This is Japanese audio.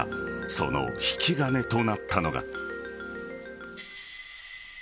その引き金となったのが。